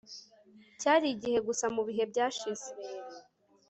cyari igihe gusa mubihe byashize